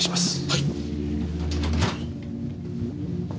はい。